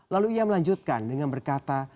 lalu ia melanjutkan dengan berkata